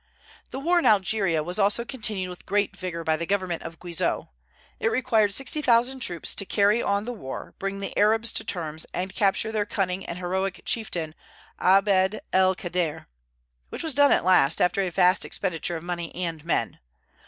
The war in Algeria was also continued with great vigor by the government of Guizot. It required sixty thousand troops to carry on the war, bring the Arabs to terms, and capture their cunning and heroic chieftain Abd el Kader, which was done at last, after a vast expenditure of money and men.